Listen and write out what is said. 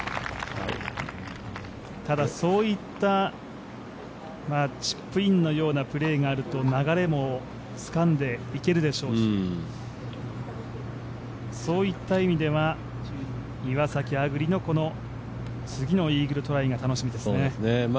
ただそういったチップインのようなプレーがあると流れもつかんでいけるでしょうし、そういった意味では岩崎亜久竜の次のイーグルトライが楽しみですね。